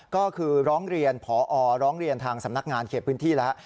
ก็คือร้องเรียนพอร้องเรียนทางสำนักงานเขตพื้นที่แล้ว